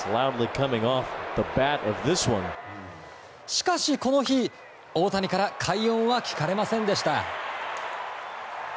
しかしこの日、大谷から快音は聞かれませんでした。